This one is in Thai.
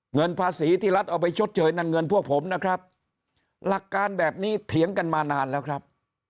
เงินภาษีที่รัฐเอาไปชดเชยนั่นเงินพวกผมนะครับหลักการแบบนี้เถียงกันมานานแล้วครับ